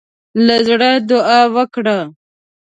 له زړۀ دعا وکړه.